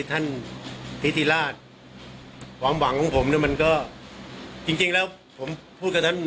ท่านทิติราชความหวังของผมเนี่ยมันก็จริงจริงแล้วผมพูดแค่นั้น